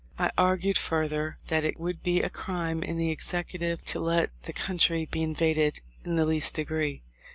I argued further that it would be a crime in the Executive to let the coun try be invaded in the least degree.